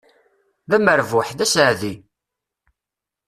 D amerbuḥ, d asaɛdi!